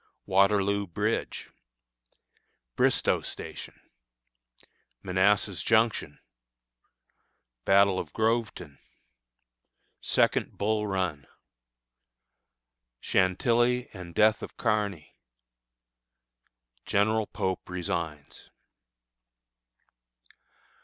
Waterloo Bridge. Bristoe Station. Manassas Junction. Battle of Groveton. Second Bull Run. Chantilly and Death of Kearny. General Pope resigns.